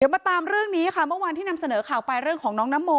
มาตามเรื่องนี้ค่ะเมื่อวานที่นำเสนอข่าวไปเรื่องของน้องน้ำโม